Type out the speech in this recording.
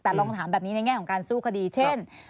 แต่ลองถามแบบนี้ในแง่ของการสู้คดีเช่น